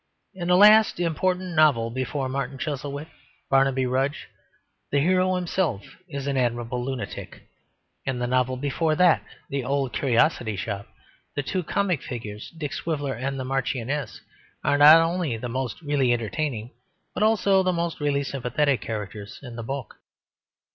In the last important novel before Martin Chuzzlewit, Barnaby Rudge, the hero himself is an amiable lunatic. In the novel before that, The Old Curiosity Shop, the two comic figures, Dick Swiveller and the Marchioness, are not only the most really entertaining, but also the most really sympathetic characters in the book.